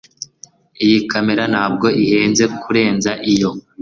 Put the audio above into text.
Iyi kamera ntabwo ihenze kurenza iyo.